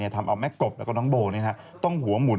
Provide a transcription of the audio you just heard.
ทำเอาแม่กบแล้วก็น้องโบต้องหัวหมุน